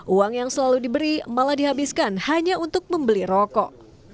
uang yang selalu diberi malah dihabiskan hanya untuk membeli rokok